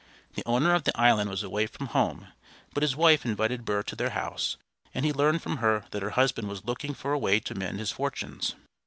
The owner of the island was away from home, but his wife invited Burr to their house, and he learned from her that her husband was looking for a way to mend his fortunes.